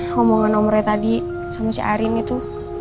ngomongan nomornya tadi sama si arin itu